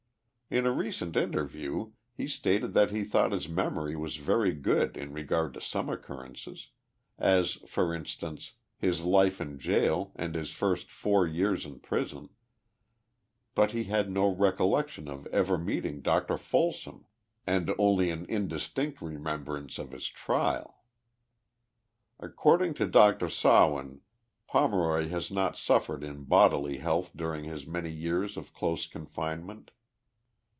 In a recent interview, he stated that he thought his memory was very good in regard to some occurrences ; as, for instance, his life in jail and his first four years in prison, but he had no recollection of ever meeting Dr. Folsom, and only an indistinct remembrance of his trial." According to Dr. Sawin, Pomeroy has not suffered in bodily health during his many years of close confinement.